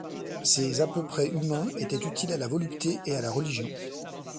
Ces à peu près humains étaient utiles à la volupté et à la religion.